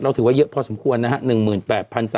ถือว่าเยอะพอสมควรนะฮะ